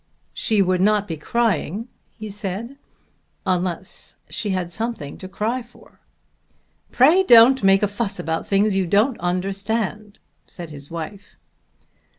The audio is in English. "She would not be crying," he said, "unless she had something to cry for." "Pray don't make a fuss about things you don't understand," said his wife.